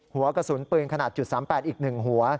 หัวกระสุนปืนขนาด๓๘อีก๑หัว